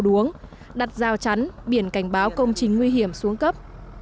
tổ đuống đặt dao chắn biển cảnh báo công trình nguy hiểm xuống cấp